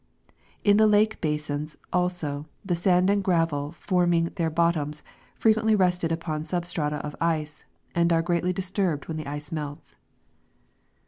In the lake basins, also, the sand and gravel forming their bot toms frequently rested upon substrata of ice, and are greatly disturbed when the ice melts.